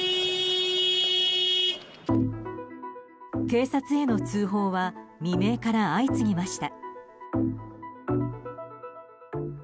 警察への通報は未明から相次ぎました。